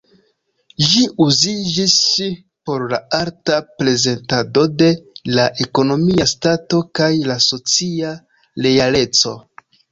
Ĝi uziĝis por la arta prezentado de la ekonomia stato kaj la socia realeco.